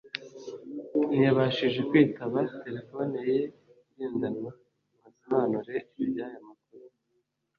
ntiyabashije kwitaba telefone ye igendanwa ngo asobanure iby’aya makuru